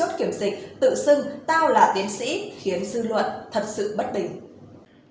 tự xưng tao là tiến sĩ khiến dư luận thật sự bất bình